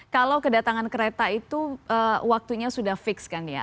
kalau kedatangan kereta itu waktunya sudah fix kan ya